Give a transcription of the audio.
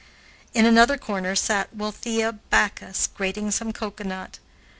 In another corner sat Wealthea Backus, grating some cocoanut.